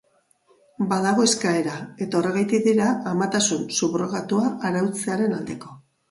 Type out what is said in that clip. Badago eskaera, eta horregatik dira amatasun subrogatua arautzearen aldeko.